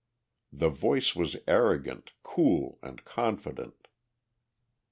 The voice was arrogant, cool and confident.